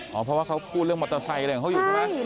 เพราะว่าเขาพูดเรื่องมอเตอร์ไซค์อะไรของเขาอยู่ใช่ไหม